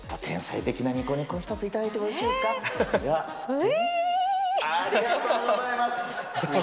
うぃー！ありがとうございます！